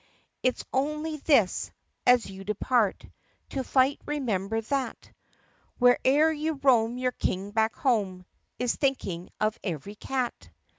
"It 's only this : As you depart To fight remember that Where'er you roam your King back home Is thinking of every cat.